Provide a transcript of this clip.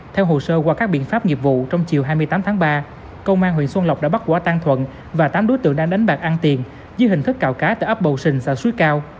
theo hồ sơ qua các biện pháp nghiệp vụ trong chiều hai mươi tám tháng ba công an huyện xuân lộc đã bắt quả tan thuận và tám đối tượng đang đánh bạc ăn tiền dưới hình thức cạo cá tại ấp bầu sình xã suối cao